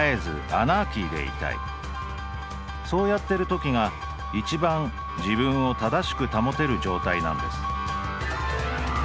「そうやってる時が一番自分を正しく保てる状態なんです」。